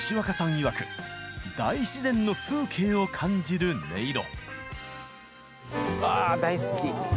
いわく大自然の風景を感じる音色。